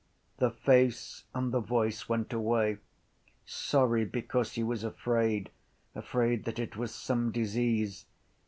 The face and the voice went away. Sorry because he was afraid. Afraid that it was some disease.